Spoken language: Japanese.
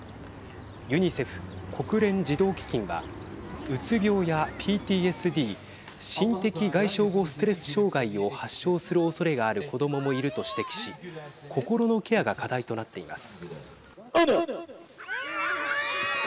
ユニセフ＝国連児童基金はうつ病やＰＴＳＤ＝心的外傷後ストレス障害を発症するおそれがある子どももいると指摘し心のケアが課題となっています。